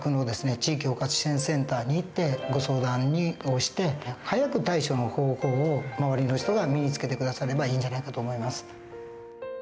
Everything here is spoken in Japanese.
地域包括支援センターに行ってご相談をして早く対処の方法を周りの人が身につけて下さればいいんじゃないかと思います。